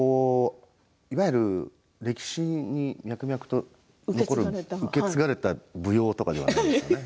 いわゆる歴史に脈々と残る受け継がれた舞踊とかではないんですね。